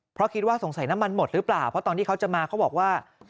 เพราะคิดว่าสงสัยน้ำมันหมดหรือเปล่าเพราะตอนที่เขาจะมาเขาบอกว่า